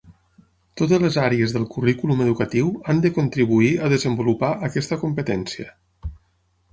Totes les àrees del currículum educatiu han de contribuir a desenvolupar aquesta competència.